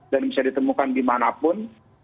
dan bisa ditemukan dimanapun